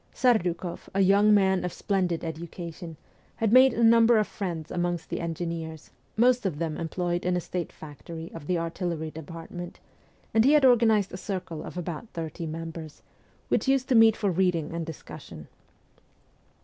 Serduk6ff, a young man of splendid education, had made a number of friends amongst the engineers, most of them employed in a state factory of the artillery department, and he had organized a circle of about thirty members, who used to meet for reading and discussion.